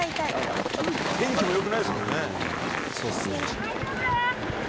大丈夫？